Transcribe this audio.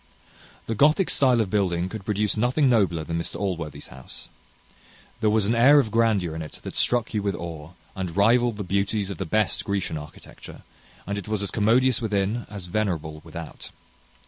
The Gothic stile of building could produce nothing nobler than Mr Allworthy's house. There was an air of grandeur in it that struck you with awe, and rivalled the beauties of the best Grecian architecture; and it was as commodious within as venerable without.